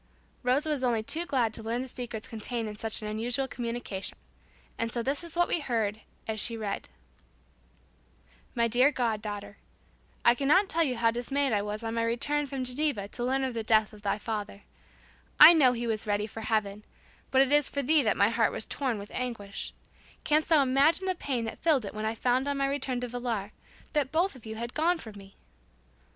Rosa was only too glad to learn the secrets contained in such an unusual communication. And so this is what we heard as she read: "My dear god daughter: I cannot tell you how dismayed I was on my return from Geneva to learn of the death of thy father. I know he is at peace in heaven, happy at the side of the Lord he so dearly loved. But it is for thee that my heart was torn with anguish. Canst thou imagine the pain that filled it when I found on my return to Villar, that both of you had gone from me?